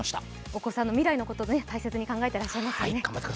お子さんの未来のことを大切に考えてらっしゃいますね。